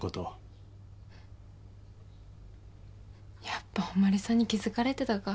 やっぱ誉さんに気付かれてたか。